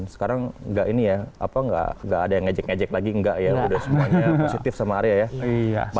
sekarang enggak ini ya apa nggak ada yang ngejek ngejek lagi enggak ya udah semuanya positif sama arya ya